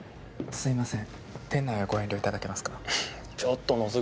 すいません。